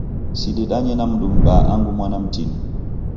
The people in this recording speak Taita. Sidedanye na mndu m'baa angu mwana mtini.